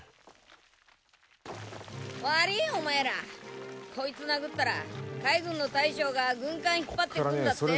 わりいお前ら。こいつ殴ったら海軍の大将が軍艦引っ張ってくんだって。